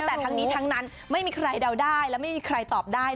แต่ทั้งนี้ทั้งนั้นไม่มีใครเดาได้และไม่มีใครตอบได้